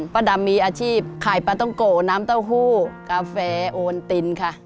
ป้าดำมีอาชีพขายปลาต้องโกน้ำเต้าหู้กาแฟโอนตินค่ะ